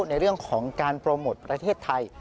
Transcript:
ในเรื่องของการโปรโมทประเทศไทย